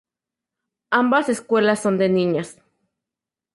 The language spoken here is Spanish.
Ambas escuelas son de niñas.